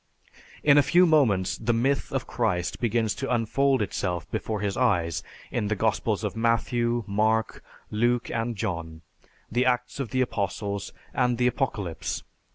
In a few moments the myth of Christ begins to unfold itself before his eyes in the Gospels of Matthew, Mark, Luke, and John, the Acts of the Apostles, and the Apocalypse.